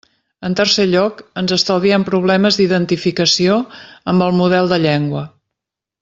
En tercer lloc, ens estalviem problemes d'identificació amb el model de llengua.